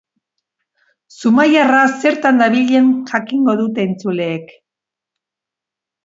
Zumaiarra zertan dabilen jakingo dute entzuleek.